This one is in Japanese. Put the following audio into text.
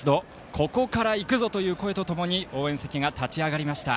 ここからいくぞという声とともに応援席が立ち上がりました。